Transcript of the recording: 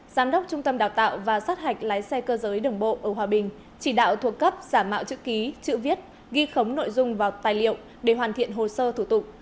giám đốc trung tâm đào tạo và sát hạch lái xe cơ giới đường bộ ở hòa bình chỉ đạo thuộc cấp giả mạo chữ ký chữ viết ghi khống nội dung vào tài liệu để hoàn thiện hồ sơ thủ tục